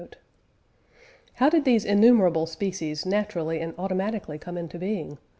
How did these innumerable species naturally and automatically come into being?